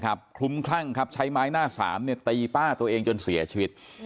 คลุ้มคลั่งครับใช้ไม้หน้าสามเนี่ยตีป้าตัวเองจนเสียชีวิต